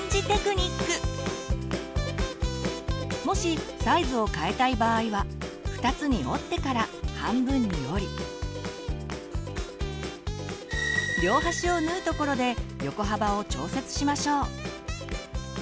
もしサイズを変えたい場合は２つに折ってから半分に折り両端を縫うところで横幅を調節しましょう。